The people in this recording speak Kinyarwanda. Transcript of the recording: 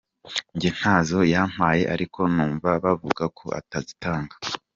Njye ntazo yampaye ariko numva bavuga ko azitanga.